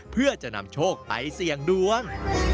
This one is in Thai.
เพื่อจะนำโชคไปเสี่ยงดวง